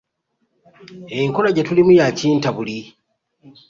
Enkola gye tulimu ya kintabuli.